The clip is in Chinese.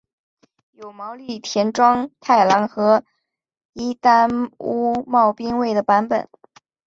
有毛利田庄太郎和伊丹屋茂兵卫的版本。